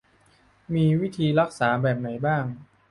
มีวิธีรักษาแบบไหนบ้าง